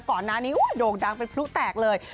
ก่อนหน้านี้โด่งดังเป็นพลุแตกเลย